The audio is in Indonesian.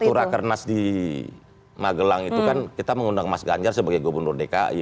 waktu raker nas di magelang itu kan kita mengundang mas ganjar sebagai gubernur dki